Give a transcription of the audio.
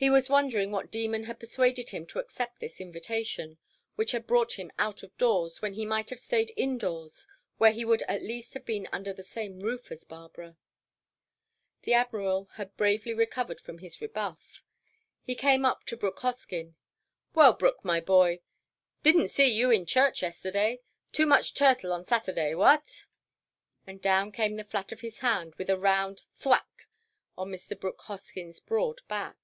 He was wondering what demon had persuaded him to accept this invitation, which had brought him out of doors, when he might have stayed indoors where he would at least have been under the same roof as Barbara. The Admiral had bravely recovered from his rebuff. He came up to Brooke Hoskyn. "Well, Brooke, my boy! Did n't see you in church yesterday. Too much turtle on Saturday—what?" and down came the flat of his hand with a round thwack on Mr. Brooke Hoskyn's broad back.